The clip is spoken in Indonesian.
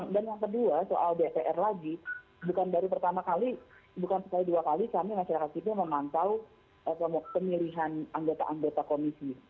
dan yang kedua soal dpr lagi bukan dari pertama kali bukan sekali dua kali kami masyarakat itu memantau pemilihan anggota anggota komisi